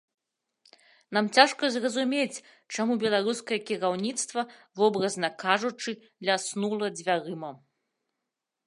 Нам цяжка зразумець, чаму беларускае кіраўніцтва, вобразна кажучы, ляснула дзвярыма.